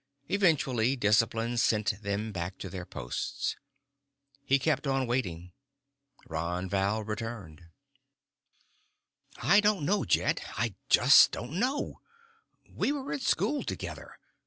Eventually, discipline sent them back to their posts. He kept on waiting. Ron Val returned. "I don't know, Jed. I just don't know. We were in school together.